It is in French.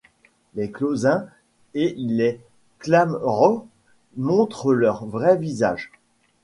Les Clausens et les Klamroth montrent leurs vrais visages.